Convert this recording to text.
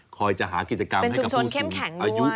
คอยจะหากิจกรรมให้กับผู้สูงอายุ